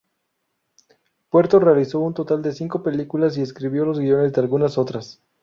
Puerto realizó un total de cinco películas y escribió los guiones de algunas otras.